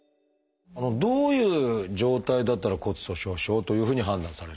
どういう状態だったら骨粗しょう症というふうに判断されるんですか？